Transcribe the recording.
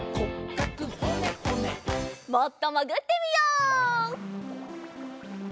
もっともぐってみよう。